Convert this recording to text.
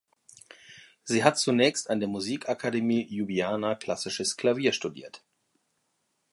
Sie hat zunächst an der Musikakademie Ljubljana klassisches Klavier studiert.